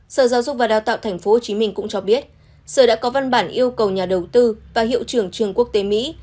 sở giáo dục và đào tạo tp hcm cũng cho biết sở đã có văn bản yêu cầu nhà đầu tư và hiệu trưởng trường quốc tế mỹ